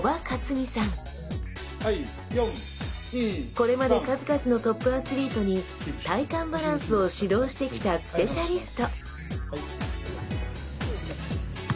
これまで数々のトップアスリートに体幹バランスを指導してきたスペシャリスト！